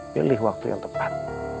pilih waktu yang tepat